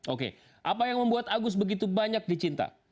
oke apa yang membuat agus begitu banyak dicinta